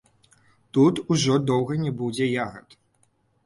Тут ўжо доўга не будзе ягад!